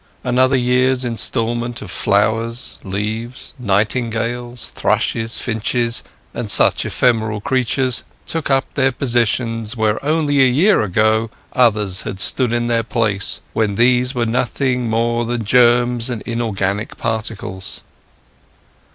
Another year's instalment of flowers, leaves, nightingales, thrushes, finches, and such ephemeral creatures, took up their positions where only a year ago others had stood in their place when these were nothing more than germs and inorganic particles.